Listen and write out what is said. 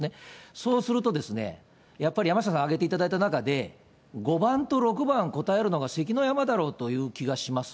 そうすると、やっぱり山下さん挙げていただいた中で、５番と６番、答えるのが関の山だろうという気がします。